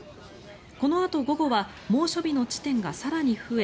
このあと午後は猛暑日の地点が更に増え